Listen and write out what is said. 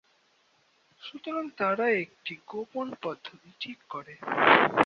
সুতরাং তারা একটি গোপন পদ্ধতি ঠিক করে।